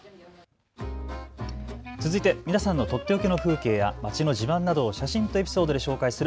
続いて皆さんのとっておきの風景や街の自慢などを写真とエピソードで紹介する＃